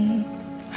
ada beneran juga